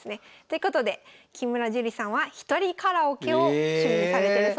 ということで木村朱里さんは一人カラオケを趣味にされてるそうです。